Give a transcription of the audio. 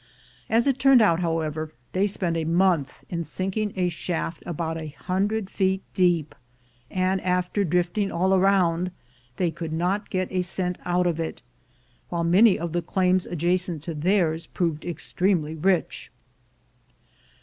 As it turned out, however, they spent a month in sink ing a shaft about a hundred feet deep ; and after drift ing all round, they could not get a cent out of it, while many of the claims adjacent to theirs proved extremely rich.